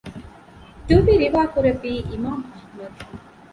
ދުވި ރިވާކުރެއްވީ އިމާމު އަޙްމަދު